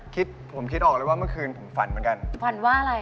คิดผมคิดออกเลยว่าเมื่อคืนผมฝันเหมือนกันฝันว่าอะไร